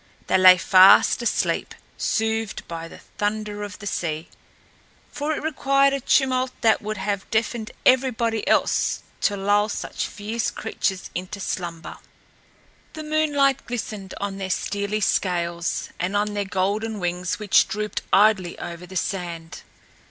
They lay fast asleep, soothed by the thunder of the sea; for it required a tumult that would have deafened everybody else to lull such fierce creatures into slumber. The moonlight glistened on their steely scales and on their golden wings, which drooped idly over the sand.